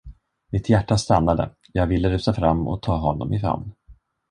Mitt hjärta stannade, jag ville rusa fram och ta honom i famn.